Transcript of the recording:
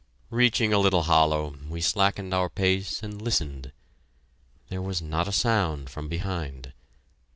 Reaching a little hollow, we slackened our pace and listened. There was not a sound from behind.